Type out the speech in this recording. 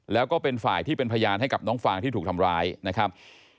แล้วก็เป็นฝ่ายที่เป็นพยานให้กับน้องฟางที่ถูกทำร้ายนะครับ